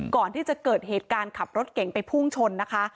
ก่อนที่จะเกิดเหตุการณ์ขับรถเก่งไปพุ่งชนนะคะ